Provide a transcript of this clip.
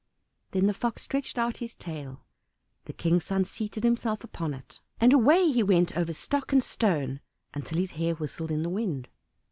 Then the Fox stretched out his tail, the King's son seated himself upon it, and away he went over stock and stone until his hair whistled in the wind.